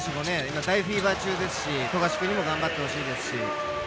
須田選手もね、今、大フィーバー中ですし、富樫君にも頑張ってほしいです。